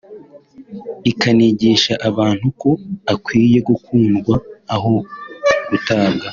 ikanigisha abantu ko akwiye gukundwa aho gutabwa